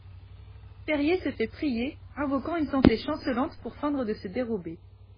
Périer se fait prier, invoquant une santé chancelante pour feindre de se dérober.